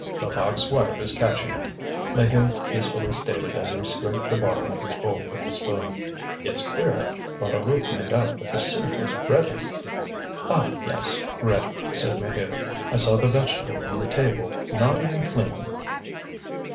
"Levaque's wife is catching it," Maheu peacefully stated as he scraped the bottom of his bowl with the spoon. "It's queer; Bouteloup made out that the soup was ready." "Ah, yes! ready," said Maheude. "I saw the vegetables on the table, not even cleaned."